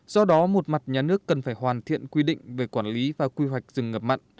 do đó một mặt nhà nước cần phải hoàn thiện quy định về quản lý và quy hoạch rừng ngập mặn